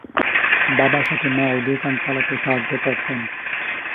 বাবার সাথে মাও দোকান চালাতে সাহায্য করতেন।